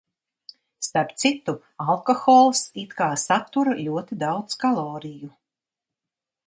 Starp citu, alkohols it kā satur ļoti daudz kaloriju.